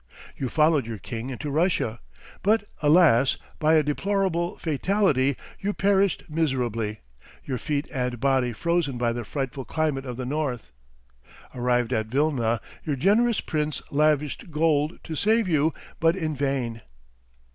You followed your king into Russia. But alas, by a deplorable fatality, you perished miserably, your feet and body frozen by the frightful climate of the north. Arrived at Vilna, your generous prince lavished gold to save you, but in vain.